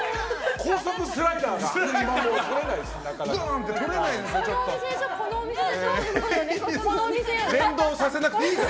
高速スライダーが取れないです。